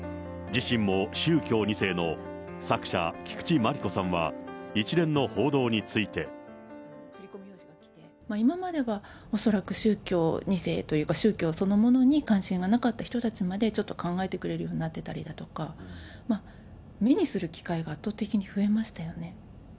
自身も宗教２世の作者、菊池真理子さんは、今までは、恐らく宗教２世というか、宗教そのものに関心がなかった人たちまで、ちょっと考えてくれるようになってたりだとか、目にする機会が圧倒的に増えましたよね。